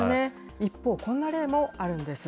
一方、こんな例もあるんです。